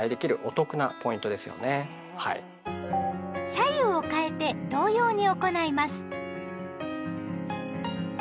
左右をかえて同様に行います。